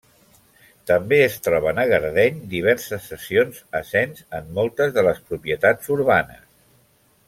També es troben a Gardeny diverses cessions a cens en moltes de les propietats urbanes.